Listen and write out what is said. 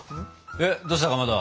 えっどうしたかまど。